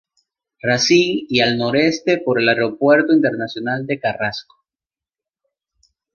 Racine y al noroeste por el Aeropuerto Internacional de Carrasco.